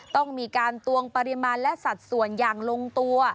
ต้องมีการตวงปริมาณและสัดส่วนอย่างลงตัว